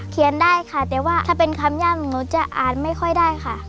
ได้ค่ะแต่ว่าถ้าเป็นคำย่ำหนูจะอ่านไม่ค่อยได้ค่ะ